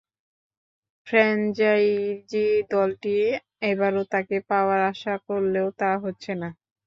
Franchise দলটি এবারও তাঁকে পাওয়ার আশা করলেও তা হচ্ছে না।